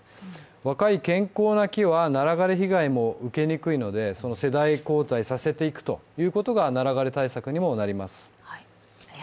若い健康な木はナラ枯れ被害も受けにくいので世代交代させていくということがナラ枯れ対策にもなります。